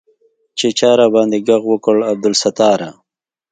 چې چا راباندې ږغ وکړ عبدالستاره.